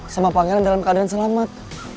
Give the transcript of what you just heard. sama pangeran dalam keadaan selamat